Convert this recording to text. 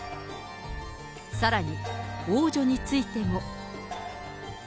さらに、王女についても。